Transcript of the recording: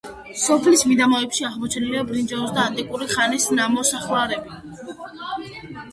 სოფლის მიდამოებში აღმოჩენილია ბრინჯაოსა და ანტიკური ხანის ნამოსახლარები.